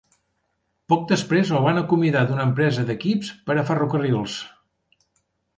Poc després el van acomiadar d'una empresa d'equips per a ferrocarrils.